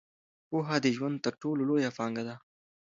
پوهه د ژوند تر ټولو لویه پانګه ده.